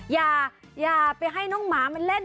อย่าอย่าไปให้น้องหมามันเล่น